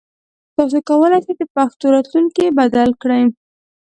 تاسو کولای شئ د پښتو راتلونکی بدل کړئ.